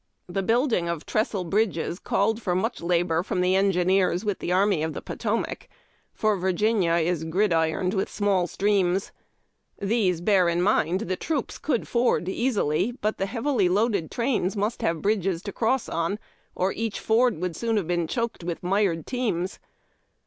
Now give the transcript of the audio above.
The building of trestle bridges called for much labor from the engineers with the Army of the Potomac, for Virginia is 380 HARD TACK AND COFFEE. griclironed with small streams. These, bear in mind, the troops could ford easily, but tlie heavily loaded trains must have bridf^es to cross on, or each ford would soon have been A TKESTLli liRIDtiE, NO. 2. choked v/ith mired teams.